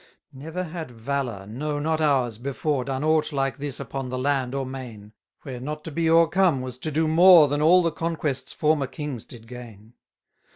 80 Never had valour, no not ours, before Done aught like this upon the land or main, Where not to be o'ercome was to do more Than all the conquests former kings did gain.